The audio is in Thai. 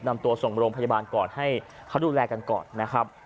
นำตัวส่งโรงพยาบาลก่อนให้เขาดูแลกันก่อนนะครับ